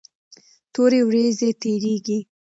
تورې ورېځې تیریږي.